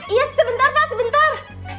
iya sebentar pak sebentar